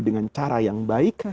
dengan cara yang baik